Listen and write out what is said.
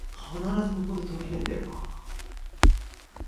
必ずここで途切れんだよなあ